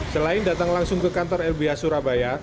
selain datang langsung ke kantor lbh surabaya